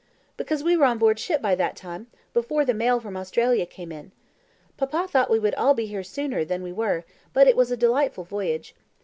"Because we were on board ship by that time, before the mail from Australia came in. Papa thought we would be all here sooner than we were but it was a delightful voyage.